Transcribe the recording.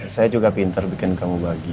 saya juga pinter bikin kamu bagi